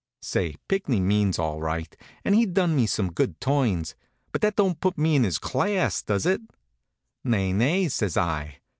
Say, Pinckney means all right, and he's done me some good turns; but that don't put me in his class, does it? Nay, nay, says I.